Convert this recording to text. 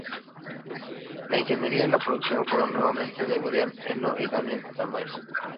La ingeniería y la producción fueron nuevamente de Brian Eno y Daniel Lanois.